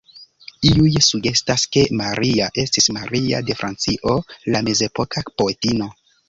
Iuj sugestas ke Maria estis Maria de Francio, la mezepoka poetino.